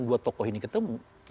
dua tokoh ini ketemu